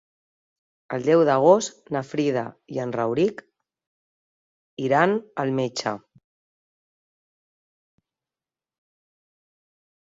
El deu d'agost na Frida i en Rauric iran al metge.